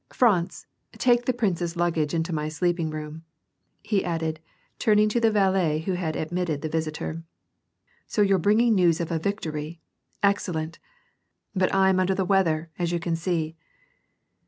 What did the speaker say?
" Franz, take the prince \s luggage into mj sleeping room," he added, turning to the valet who had admitted the visitor. " So you're bringing news of a victory. Excellent ! But I'm under the weather, as you can see."